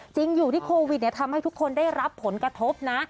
จริงอยู่ที่โควิดทำให้ทุกคนได้รับผลกระทบนะ